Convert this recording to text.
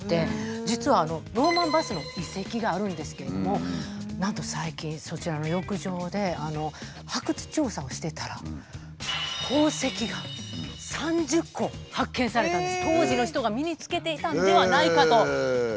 実はローマン・バスの遺跡があるんですけれどもなんと最近そちらの浴場で発掘調査をしてたら当時の人が身に着けていたのではないかと。